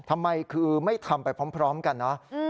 ทำไมคือไม่ทำไปพร้อมกันเนอะ